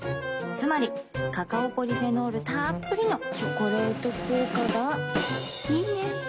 つまりカカオポリフェノールたっぷりの「チョコレート効果」がいいね。